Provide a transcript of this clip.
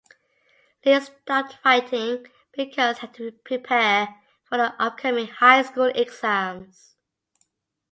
Lee stopped writing, because he had to prepare for the upcoming high school exams.